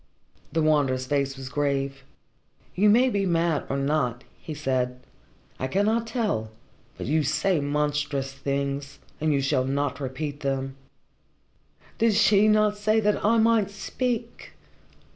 The Wanderer's face was grave. "You may be mad or not," he said. "I cannot tell. But you say monstrous things, and you shall not repeat them." "Did she not say that I might speak?"